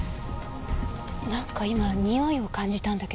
なんか今においを感じたんだけど。